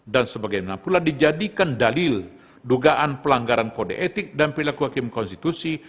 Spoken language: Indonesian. dan sebagaimana pula dijadikan dalil dugaan pelanggaran kode etik dan perilaku hakim konstitusi